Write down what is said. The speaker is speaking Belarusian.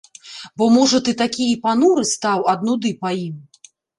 Бо, можа, ты такі і пануры стаў ад нуды па ім.